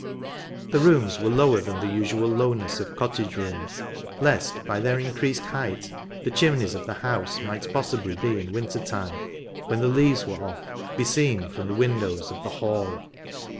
The rooms were lower than the usual lowness of cottage rooms, lest, by their increased height, the chimneys of the house might possibly in winter time, when the leaves were off, be seen from the windows of the Hall."